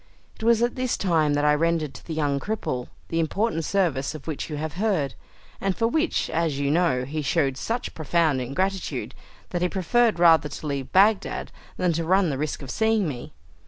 It was at this time that I rendered to the young cripple the important service of which you have heard, and for which, as you know, he showed such profound ingratitude, that he preferred rather to leave Bagdad than to run the risk of seeing me.